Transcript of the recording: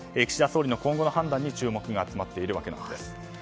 岸田総理の今後の判断に注目が集まっているんです。